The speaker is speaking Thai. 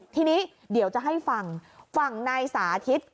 ทีนี้เดี๋ยวจะให้ฟังฝั่งนายสาธิต